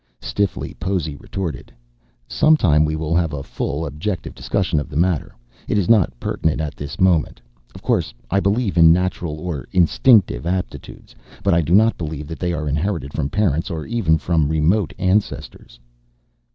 Stiffly, Possy retorted, "Sometime we will have a full, objective discussion of the matter. It is not pertinent at this moment. Of course I believe in natural, or instinctive aptitudes. But I do not believe that they are inherited from parents or even from remote ancestors."